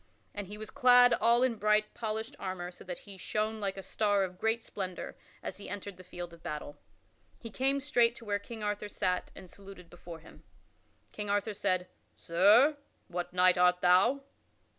And he was clad all in bright, polished armor so that he shone like a star of great splendor as he entered the field of battle. He came straight to where King Arthur sat and saluted before him. King Arthur said, "Sir, what knight art thou?"